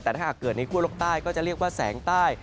แต่ถ้าหากเกิดในคั่วโลกใต้ก็จะเรียกว่าแสงใต้